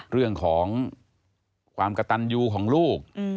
เรื่องของความกระตันยูของลูก